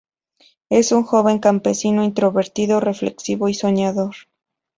Es un joven campesino introvertido, reflexivo y soñador.